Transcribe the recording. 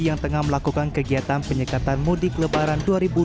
yang tengah melakukan kegiatan penyekatan mudik lebaran dua ribu dua puluh